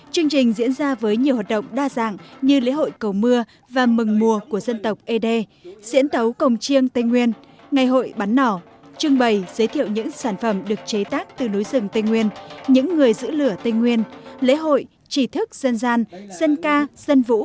chương trình diễn ra với nhiều hoạt động đa dạng như lễ hội cầu mưa và mừng mùa của dân tộc ế đê diễn tấu cồng chiêng tây nguyên ngày hội bắn nỏ trưng bày giới thiệu những sản phẩm được chế tác từ núi rừng tây nguyên những người giữ lửa tây nguyên lễ hội chỉ thức dân gian dân ca dân vũ